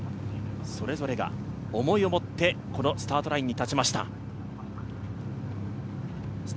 それぞれが思いをもって、このスタートラインに立ちました。